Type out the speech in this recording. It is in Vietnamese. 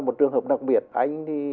một trường hợp đặc biệt anh thì